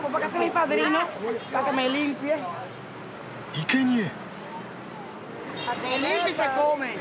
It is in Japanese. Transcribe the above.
いけにえ！